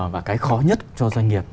và cái khó nhất cho doanh nghiệp